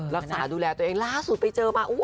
รักษาดูแลตัวเองล่าสุดไปเจอมา